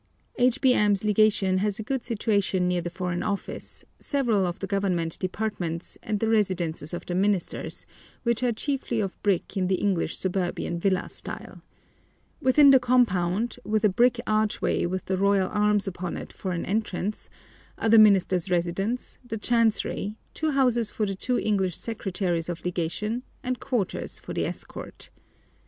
H.B.M.'s Legation has a good situation near the Foreign Office, several of the Government departments, and the residences of the ministers, which are chiefly of brick in the English suburban villa style. Within the compound, with a brick archway with the Royal Arms upon it for an entrance, are the Minister's residence, the Chancery, two houses for the two English Secretaries of Legation, and quarters for the escort.